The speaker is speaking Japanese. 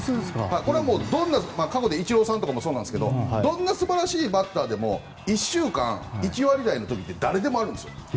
これはもう、過去イチローさんとかもそうですがどんな素晴らしいバッターでも１週間１割台の時って誰でもあるんです。